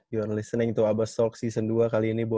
you re listening to abastalk season dua kali ini bu ya